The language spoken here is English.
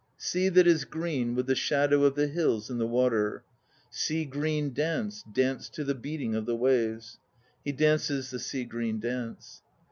Sea that is green with the shadow of the hills in the water! Sea Green Dance, danced to the beating of the waves. (He dances the Sea Green Dance.)